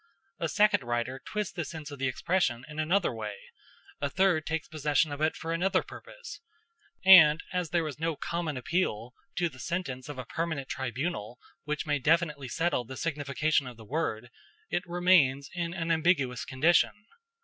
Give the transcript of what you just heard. A second writer twists the sense of the expression in another way; a third takes possession of it for another purpose; and as there is no common appeal to the sentence of a permanent tribunal which may definitely settle the signification of the word, it remains in an ambiguous condition.